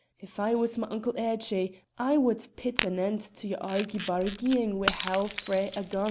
If I was my uncle Erchie, I wad pit an end to your argy bargying wi' hail frae a gun!"